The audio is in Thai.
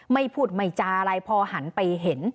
ไม่พูดไม่จาอะไรพอหันไปเห็น